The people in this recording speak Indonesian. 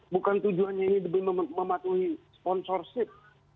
bukan tujuannya ini demi mematuhi sponsorship